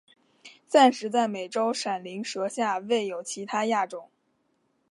暂时在美洲闪鳞蛇下未有其它亚种。